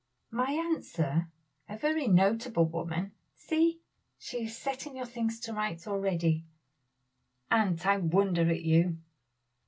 "My aunt, sir a very notable woman. See, she is setting your things to rights already. Aunt, I wonder at you!"